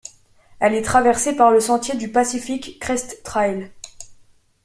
Elle est traversée par le sentier du Pacific Crest Trail.